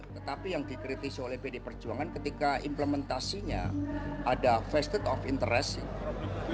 tetapi yang dikritisi oleh pd perjuangan ketika implementasinya ada vested of interest